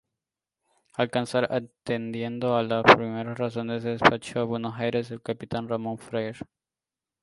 Alcázar, atendiendo a las primeras razones despachó a Buenos Aires al capitán Ramón Freire.